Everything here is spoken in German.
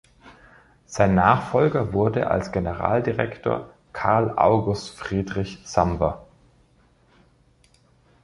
Sein Nachfolger wurde als Generaldirektor Karl August Friedrich Samwer.